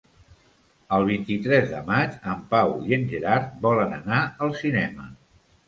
El vint-i-tres de maig en Pau i en Gerard volen anar al cinema.